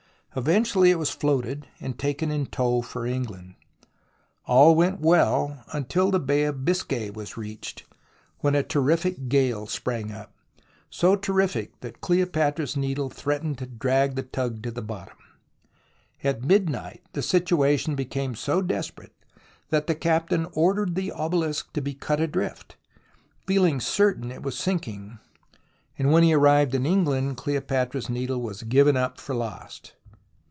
Eventually it was floated, and taken in tow for England. All went well until the Bay of Biscay was reached, when a terrific gale sprang up, so terrific that Cleopatra's Needle threatened to drag the tug to the bottom. At midnight the situation became so desperate that the captain ordered the obelisk to be cut adrift, feeling certain it was sinking, and when he arrived in England Cleopatra's Needle was given up for lost.